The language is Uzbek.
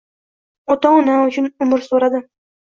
Ota-onam uchun umr suradim!